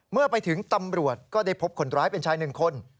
เมื่อไปถึงตำรวจก็ได้พบคนร้ายเป็นชายหนึ่งคน